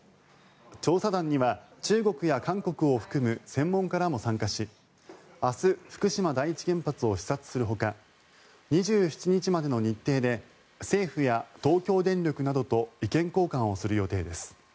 調査団には中国や韓国を含む専門家らも参加し明日、福島第一原発を視察するほか２７日までの日程で政府や東京電力などと意見交換をする予定です。